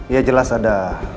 ya jelas ada